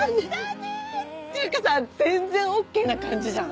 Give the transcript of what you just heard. っていうかさ全然ＯＫな感じじゃん。